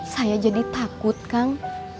saya jadi takut kang